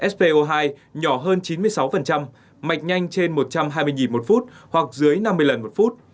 spo hai nhỏ hơn chín mươi sáu mạch nhanh trên một trăm hai mươi một phút hoặc dưới năm mươi lần một phút